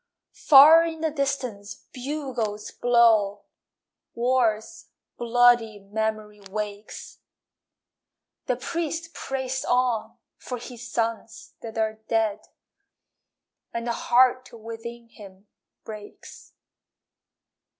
Far in the distance bugles blow, War's bloody memory wakes. The priest prays on for his sons that are dead, And the heart within him breaks.